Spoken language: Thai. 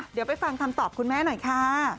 เดี๋ยวไปฟังคำตอบคุณแม่หน่อยค่ะ